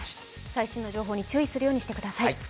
最新の情報に注意するようにしてください。